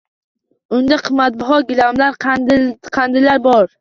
Unda qimmatbaho gilamlar, qandillar bor.